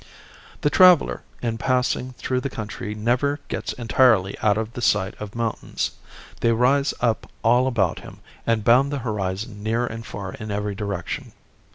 The traveler in passing through the country never gets entirely out of the sight of mountains. They rise up all about him and bound the horizon near and far in every direction.